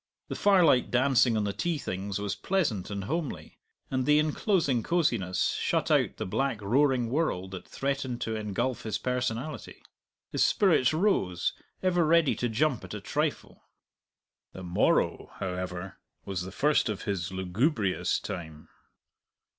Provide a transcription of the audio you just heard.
The firelight dancing on the tea things was pleasant and homely, and the enclosing cosiness shut out the black roaring world that threatened to engulf his personality. His spirits rose, ever ready to jump at a trifle. The morrow, however, was the first of his lugubrious time.